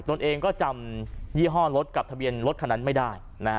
ตนเองก็จำยี่ห้อรถกับทะเบียนรถคันนั้นไม่ได้